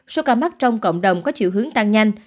số ca mắc trong cộng đồng có chiều hướng tăng nhanh